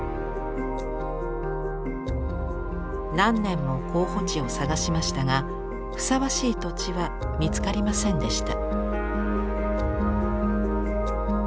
何年も候補地を探しましたがふさわしい土地は見つかりませんでした。